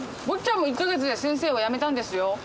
坊っちゃんも１か月で先生を辞めたんですよ。